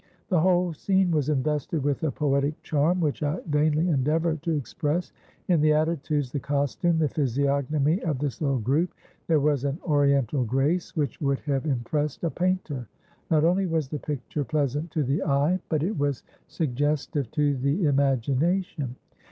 The whole scene was invested with a poetic charm which I vainly endeavour to express. In the attitudes, the costume, the physiognomy of this little group, there was an Oriental grace which would have impressed a painter. Not only was the picture pleasant to the eye, but it was suggestive to the imagination.